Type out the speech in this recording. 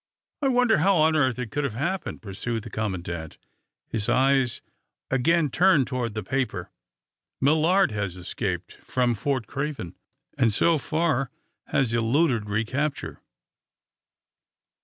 "I wonder how on earth it could have happened?" pursued the commandant, his eyes again turned toward the paper. "Millard has escaped from Fort Craven, and, so far, has eluded recapture!"